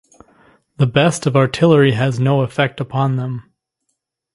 The best of artillery has no effect upon them.